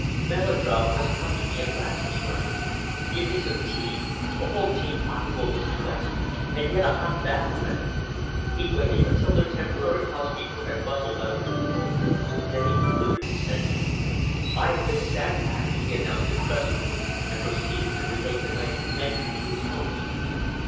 "Melodrama has come to me at last," he murmured. "Give me some tea a whole teapotful, Mrs. West and get a hot bath ready." He waited until their temporary housekeeper had bustled out of the room. Then he concluded his sentence. "I have been sandbagged," he announced impressively, and proceeded to relate the night's adventure to his host.